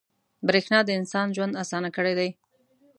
• برېښنا د انسان ژوند اسانه کړی دی.